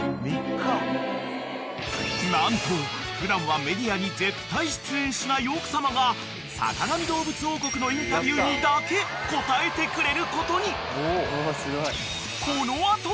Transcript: ［何と普段はメディアに絶対出演しない奥様が『坂上どうぶつ王国』のインタビューにだけ応えてくれることに］